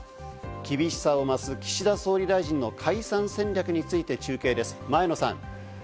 厳しさを増す岸田総理大臣の解散戦略について中継です、前野さん。